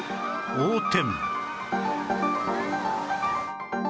横転！